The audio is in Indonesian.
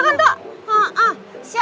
siapa juga yang berani usilin sihla